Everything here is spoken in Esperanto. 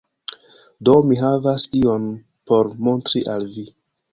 Do, mi havas ion por montri al vi